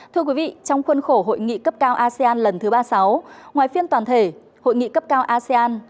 thưa quý vị trong khuôn khổ hội nghị cấp cao asean lần thứ ba mươi sáu ngoài phiên toàn thể hội nghị cấp cao asean